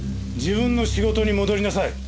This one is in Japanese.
自分の仕事に戻りなさい！